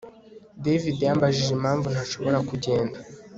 David yambajije impamvu ntashobora kugenda